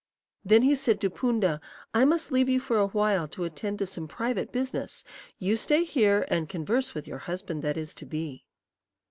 Then he said to Poonda: 'I must leave you for a while to attend to some private business. You stay here and converse with your husband that is to be.'